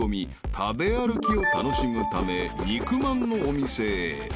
食べ歩きを楽しむため肉まんのお店へ］